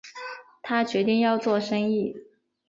他决定要做生意